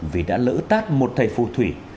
vì đã lỡ tát một thầy phù thủy